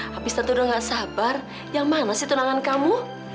habis itu udah gak sabar yang mana sih tunangan kamu